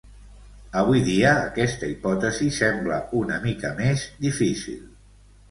Avui dia, aquesta hipòtesi sembla una mica més difícil.